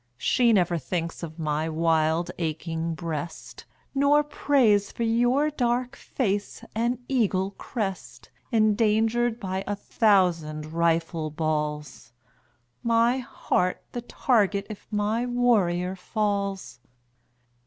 She never thinks of my wild aching breast, Nor prays for your dark face and eagle crest Endangered by a thousand rifle balls, My heart the target if my warrior falls.